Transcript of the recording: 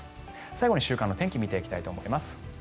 最後に週間の天気を見ていきたいと思います。